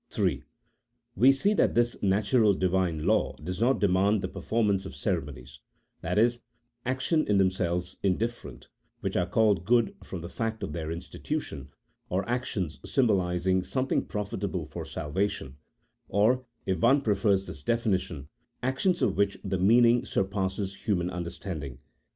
HI. We see that this natural Divine law does not demand the performance of ceremonies — that is, actions in themselves indifferent, which are called good from the fact of their institution, or actions symbolizing something profitable for salvation, or (if one prefers this definition) actions of which the meaning surpasses human understanding.